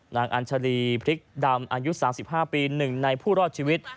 อัญชาลีพริกดำอายุ๓๕ปี๑ในผู้รอดชีวิต